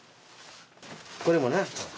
これもな